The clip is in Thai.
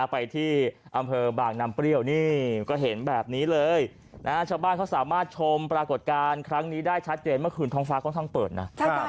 ไปที่อำเภอบางน้ำเปรี้ยวนี่ก็เห็นแบบนี้เลยชาวบ้านเขาสามารถชมปรากฏการณ์ครั้งนี้ได้ชัดเจนเมื่อคืนท้องฟ้าค่อนข้างเปิดนะ